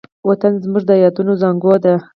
وطن زموږ د یادونو زانګو ده.